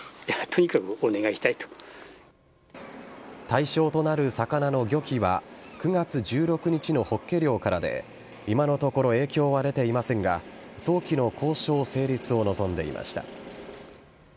対象となる魚の漁期は９月１６日のホッケ漁からで今のところ影響は出ていませんが早期の交渉成立を望んでいました。